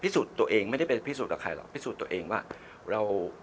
ตัวเองไม่ได้ไปพิสูจนกับใครหรอกพิสูจน์ตัวเองว่าเรา